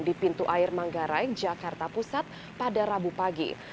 di pintu air manggarai jakarta pusat pada rabu pagi